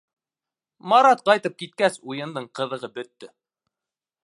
Марат ҡайтып киткәс, уйындың ҡыҙығы бөттө.